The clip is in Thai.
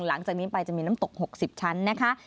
หลังจากนี้ไปจะมีน้ำตก๖๐ชั้นนะคะ